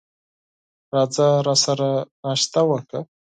راځه راسره ناشته وکړه !